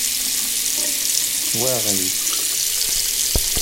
Teswaɣ-itt.